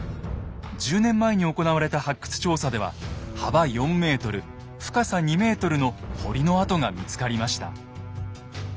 １０年前に行われた発掘調査では幅４ｍ深さ２ｍの堀の跡が見つかりました。